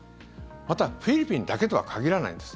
また、フィリピンだけとは限らないんです。